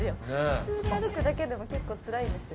普通に歩くだけでも結構つらいです。